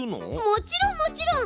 もちろんもちろん！